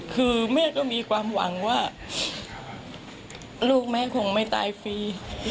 คือแม่ก็มีความหวังว่าลูกแม่คงไม่ตายฟรี